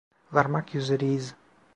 Varmak üzereyiz.